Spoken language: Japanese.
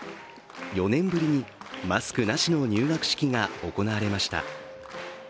４年ぶりにマスクなしの入学式が行われました。